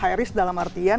high risk dalam artian